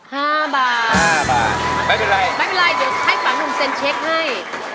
ไม่เป็นไรเดี๋ยวให้ฝากมุมเซ็นเช็คให้